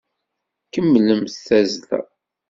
Kemmlemt tazzla!